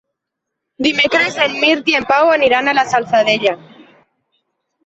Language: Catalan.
Dimecres en Mirt i en Pau aniran a la Salzadella.